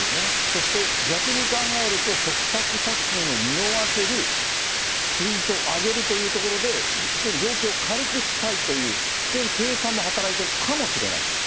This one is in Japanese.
そして、逆に考えると、嘱託殺人をにおわせるツイートを上げるというところで、非常に量刑を軽くしたいという、非常に計算も働いてるかもしれないという？